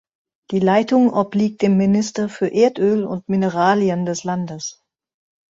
Die Leitung obliegt dem Minister für Erdöl und Mineralien des Landes.